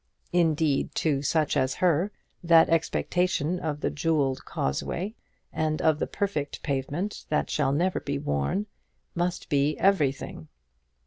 Indeed, to such as her, that expectation of the jewelled causeway, and of the perfect pavement that shall never be worn, must be everything.